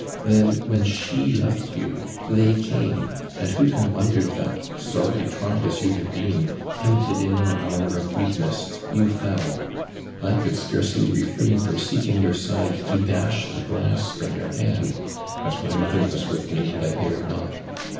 Then when she left you, they came, and who can wonder that, sorely tried as you had been, tempted in your hour of weakness, you fell. I could scarcely refrain from seeking your side to dash the glass from your hand, but my mother was with me and I dared not.